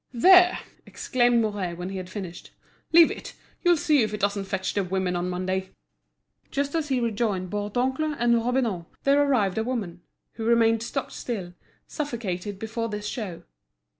"There!" exclaimed Mouret when he had finished, "Leave it; you'll see if it doesn't fetch the women on Monday." Just as he rejoined Bourdoncle and Robineau, there arrived a woman, who remained stock still, suffocated before this show.